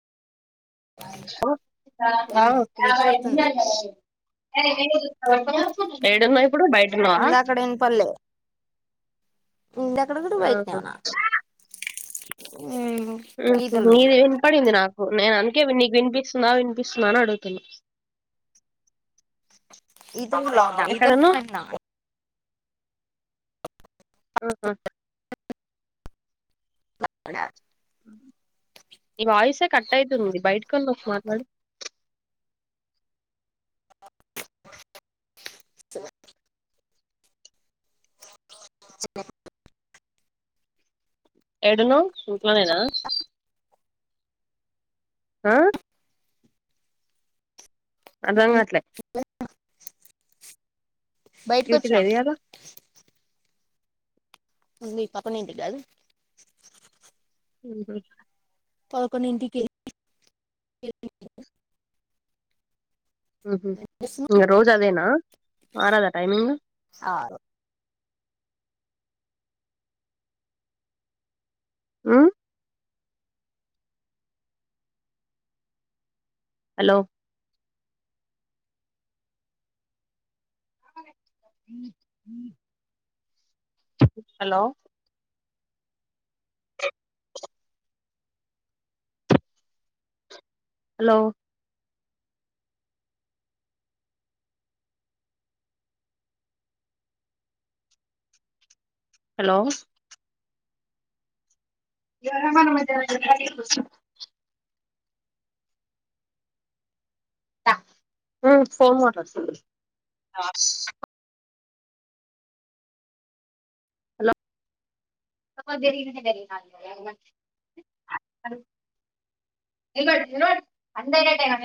ఉమ్ ఇప్పుడు ఇనపడుతుంది అ ఇ ఏడున్నా ఇప్పుడు బయటన్నావా ఇందాకడ ఇనపల్లే ఇందాకడ కూడా బయటనే ఉన్నా ఉ ఈతల రూమ్ నది లో ఇన్ పడింది నాకు నేను అంత క ఇకి వినిపిించస్తుందా వినిపిస్తుంద అడుగుతునే అస్ ఇత ఉ లో ఇత ఆ ఆ బ ఈ వాయిసే కట్ అవుతుంది బయటకన్న ఒక మాట్లాడు స చె ఎడును చూట్లోనేనా ఆ అదంగట్లే బయటకు ్యూటీ వచ్చినా లేదబ ఉ పప్పన ఏంటి కాదు ఉ పలకొని ఇంటికి రోజ అదేనా ఆారదా టైమింగ్ ఆ ఆ హలో హలో హలో హలో రమాన మైద ఫోన్ హలో అంద